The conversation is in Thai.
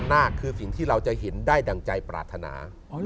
นาคคือสิ่งที่เราจะเห็นได้ดั่งใจปรารถนา